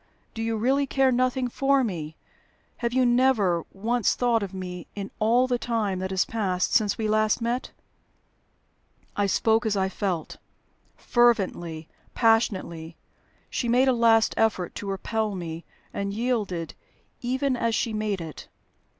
Do you really care nothing for me? Have you never once thought of me in all the time that has passed since we last met?" I spoke as I felt fervently, passionately. She made a last effort to repel me, and yielded even as she made it.